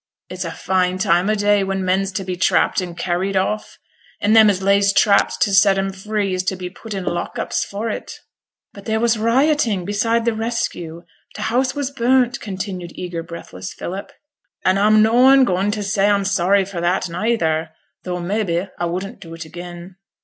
It's a fine time o' day when men's to be trapped and carried off, an' them as lays traps to set 'em free is to be put i' t' lock ups for it.' 'But there was rioting, beside the rescue; t' house was burnt,' continued eager, breathless Philip. 'An' a'm noane goin' t' say a'm sorry for that, neyther; tho', mebbe, a wouldn't do it again.'